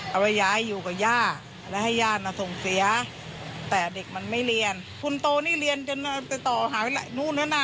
เอาไว้ย้ายอยู่กับย่าและให้ญาติมาส่งเสียแต่เด็กมันไม่เรียนคุณโตนี่เรียนจนไปต่อหานู่นนั่นน่ะ